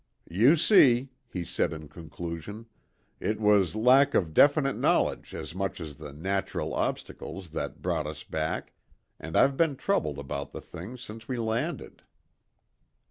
"You see," he said in conclusion, "it was lack of definite knowledge as much as the natural obstacles that brought us back and I've been troubled about the thing since we landed."